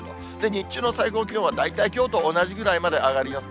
日中の最高気温は大体きょうと同じくらいまで上がります。